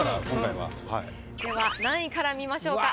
では何位から見ましょうか？